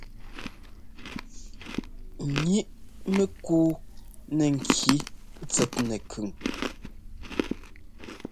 Ŋíʼ mɛkuu nɛ ŋki tsɛt nɛkʉn.